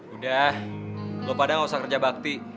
udah lo pada gak usah kerja bakti